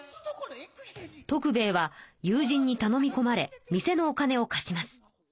徳兵衛は友人にたのみこまれ店のお金を貸します。